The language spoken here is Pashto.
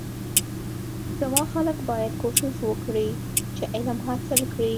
زما خلک باید کوشش وکړی چی علم حاصل کړی